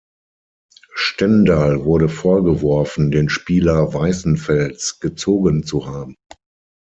Stendal wurde vorgeworfen, den Spieler Weißenfels „gezogen“ zu haben.